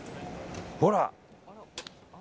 ほら。